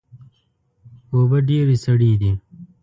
اوبه ډیرې سړې دي